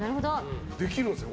できるんですか？